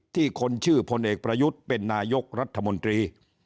คนชื่อพลเอกประยุทธ์เป็นนายกรัฐมนตรี